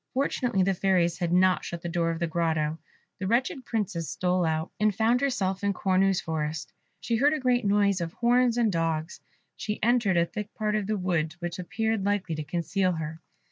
Fortunately the fairies had not shut the door of the grotto. The wretched Princess stole out, and found herself in Cornue's forest. She heard a great noise of horns and dogs; she entered a thick part of the wood which appeared likely to conceal her.